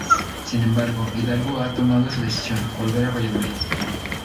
Sin embargo, Hidalgo ha tomado su decisión: volver a Valladolid.